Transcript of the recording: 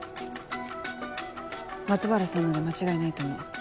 松原さんので間違いないと思う。